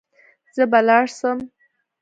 زه به لاړ سم.